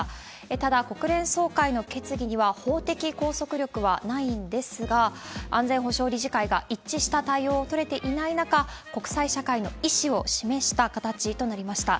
ただ、国連総会の決議には法的拘束力はないんですが、安全保障理事会が一致した対応を取れていない中、国際社会の意思を示した形となりました。